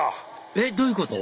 えっどういうこと？